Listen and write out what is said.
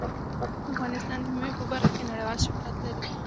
افغانستان د مېوې په برخه کې نړیوال شهرت لري.